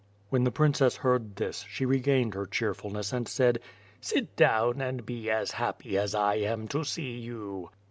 When the princess heard this, she regained her cheerful ness and said: "Sit down and be as happy as I am to see you."